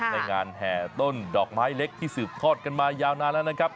ในงานแห่ต้นดอกไม้เล็กที่สืบทอดกันมายาวนานแล้วนะครับ